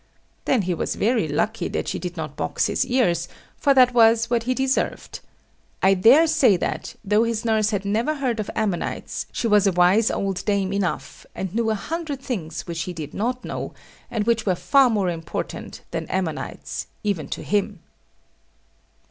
Then he was very lucky that she did not box his ears, for that was what he deserved. I dare say that, though his nurse had never heard of Ammonites, she was a wise old dame enough, and knew a hundred things which he did not know, and which were far more important than Ammonites, even to him.